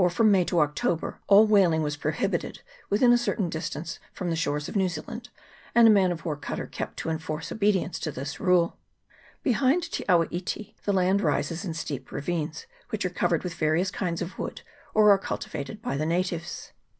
55 from May to October, all whaling was prohibited within a certain distance from the shores of New Zealand, and a man of war cutter kept to enforce obedience to this rule. Behind Te awa iti the land rises in steep ravines., which are covered with various kinds of wood, or are cultivated by the natives.